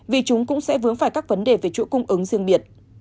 vì chúng cũng sẽ vướng phải các vấn đề về chuỗi cung ứng riêng biệt